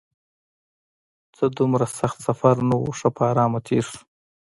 څه دومره سخت سفر نه و، ښه په ارامه تېر شو.